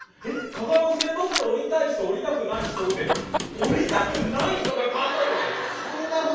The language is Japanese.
「加賀の千羽鶴折りたい人折りたくない人」で折りたくない人が勝ったんでしょ？